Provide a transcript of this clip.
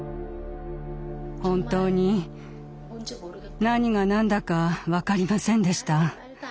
本当に何が何だか分かりませんでした。